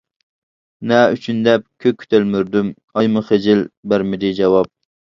نە ئۈچۈن دەپ كۆككە تەلمۈردۈم، ئايمۇ خىجىل بەرمىدى جاۋاب.